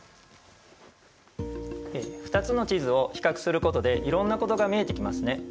２つの地図を比較することでいろんなことが見えてきますね。